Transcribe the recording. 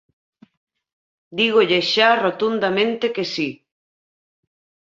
Dígolle xa rotundamente que si.